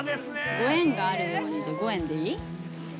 ご縁があるようにで５円でいい？